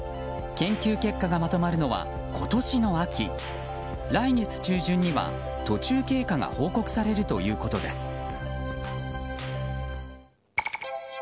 研究結果がまとまるのは今年の秋来月中旬には途中経過が報告されるということです。